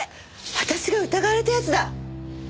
私が疑われたやつだ！